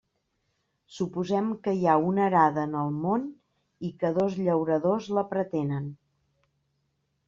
Suposem que hi ha una arada en el món i que dos llauradors la pretenen.